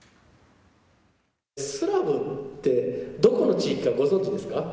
スラブって、どこの地域かご存じですか？